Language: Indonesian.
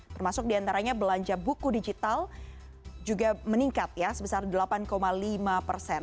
termasuk diantaranya belanja buku digital juga meningkat ya sebesar delapan lima persen